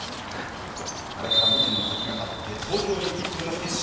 あれから２年の時がたって東京オリンピックでの決勝。